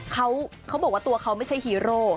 เขาบอกว่าตัวเขาไม่ใช่ฮีโร่